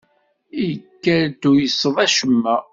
Ikad-d tuyseḍ acemma.